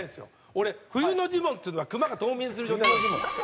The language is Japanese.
俺冬のジモンっていうのはクマが冬眠する状態だから。